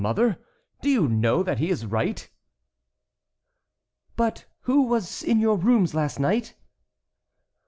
mother, do you know that he is right?" "But who was in your rooms last night?"